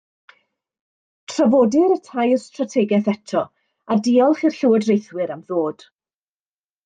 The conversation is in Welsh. Trafodir y tair strategaeth eto, a diolch i'r llywodraethwyr am ddod